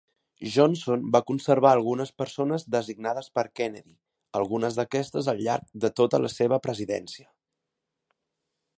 Johnson va conservar algunes persones designades per Kennedy, algunes d'aquestes al llarg de tota la seva presidència.